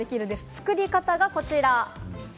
作り方がこちら。